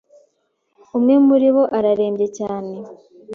umwe muri bo ararembye cyane